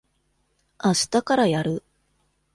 あしたからやる。